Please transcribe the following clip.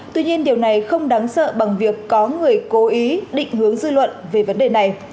tuy nhiên điều này không đáng sợ bằng việc có người cố ý định hướng dư luận về vấn đề này